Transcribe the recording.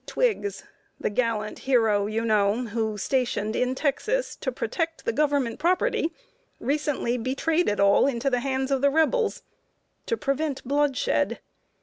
Twiggs the gallant hero, you know, who, stationed in Texas to protect the Government property, recently betrayed it all into the hands of the Rebels, to "prevent bloodshed."